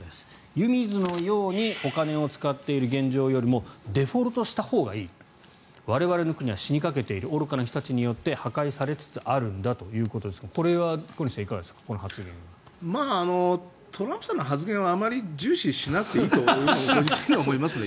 湯水のようにお金を使っている現状よりもデフォルトしたほうがいい我々の国は死にかけている愚かな人たちによって破壊されつつあるんだということですがトランプさんの発言はあまり重視しなくていいと思いますね。